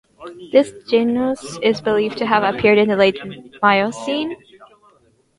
This genus is believed to have appeared in the late Miocene.